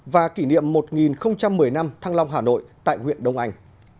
và kỷ niệm một nghìn một mươi năm thăng long hà nội tại huyện đông anh